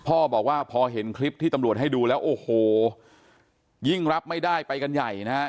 พ่อบอกว่าพอเห็นคลิปที่ตำรวจให้ดูแล้วโอ้โหยิ่งรับไม่ได้ไปกันใหญ่นะฮะ